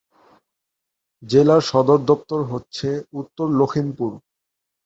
জেলার সদরদপ্তর হচ্ছে উত্তর লখিমপুর।